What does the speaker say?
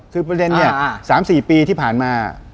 คือประเด็นเนี่ย๓๔ปีที่ผ่านมา